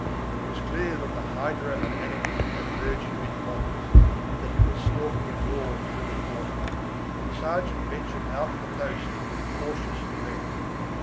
It was clear that the hydra of anarchy had emerged from its box and that it was stalking abroad through the quarter. And the sergeant ventured out of the post with cautious tread.